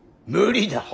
無理だ。